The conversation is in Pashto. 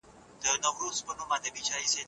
د بدیع علم په پوهنتونونو کي لوستل کېږي.